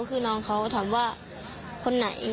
คือน้องเขาถามว่าคนไหน